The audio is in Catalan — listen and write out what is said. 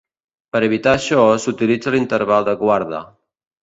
Per evitar això, s'utilitza l'interval de guarda.